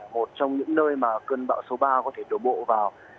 một trong những nơi mà cơn bão số ba có thể đổ bộ vào